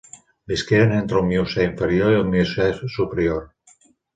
Visqueren entre el Miocè inferior i el Miocè superior.